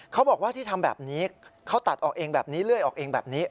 เขาบอกว่าที่ทำแบบนี้เขาตัดออกเองแบบนี้เลื่อยออกเองแบบนี้